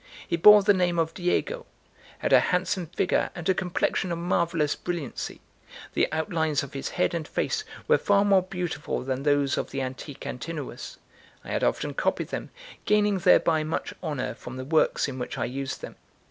He bore the name of Diego, had a handsome figure, and a complexion of marvellous brilliancy; the outlines of his head and face were far more beautiful than those of the antique Antinous: I had often copied them, gaining thereby much honour from the works in which I used them.